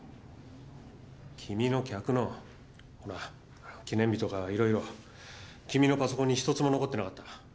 君の客のほら記念日とかいろいろ君のパソコンにひとつも残ってなかった。